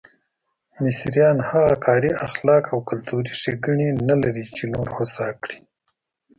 مصریان هغه کاري اخلاق او کلتوري ښېګڼې نه لري چې نور هوسا کړي.